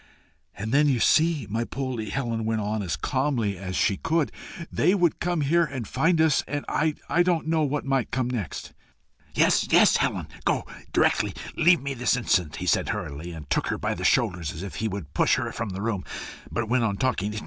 "And then you see, my Poldie," Helen went on as calmly as she could, "they would come here and find us; and I don't know what might come next." "Yes, yes, Helen! Go, go directly. Leave me this instant," he said, hurriedly, and took her by the shoulders, as if he would push her from the room, but went on talking.